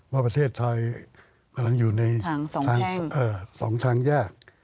ว่าประเทศไทยกำลังอยู่ใน๒ทางแยก